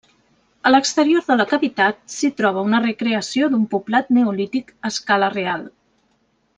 A l'exterior de la cavitat s'hi troba una recreació d'un poblat neolític a escala real.